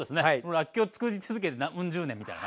らっきょうつくり続けてうん十年みたいな。